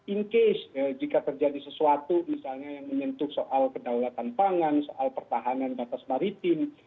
in case jika terjadi sesuatu misalnya yang menyentuh soal kedaulatan pangan soal pertahanan batas maritim